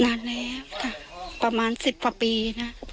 นานแล้วค่ะประมาณสิบพอปีนะ